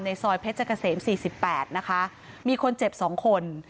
ซอยเพชรเกษม๔๘นะคะมีคนเจ็บ๒คน